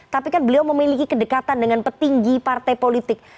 tapi kan beliau memiliki kedekatan dengan petinggi partai politik